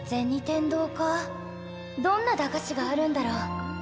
天堂かあどんな駄菓子があるんだろう？